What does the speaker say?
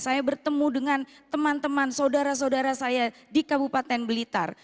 saya bertemu dengan teman teman saudara saudara saya di kabupaten blitar